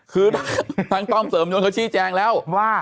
คือทางต้อมเสริมยนเขาชี้แจงแล้วว่า